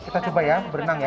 kita coba ya berenang ya